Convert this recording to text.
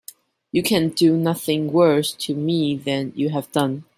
You can do nothing worse to me than you have done.